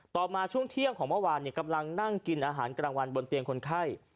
มาช่วงเที่ยงของเมื่อวานกำลังนั่งกินอาหารกลางวันบนเตียงคนไข้